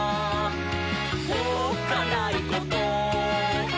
「おっかないこと？」